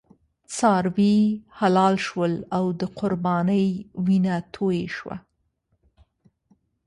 څاروي حلال شول او د قربانۍ وینه توی شوه.